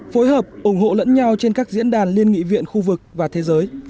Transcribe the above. phối hợp ủng hộ lẫn nhau trên các diễn đàn liên nghị viện khu vực và thế giới